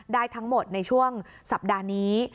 ได้ทั้งหมดในช่วงสัปดาห์นี้